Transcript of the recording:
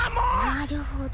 なるほど。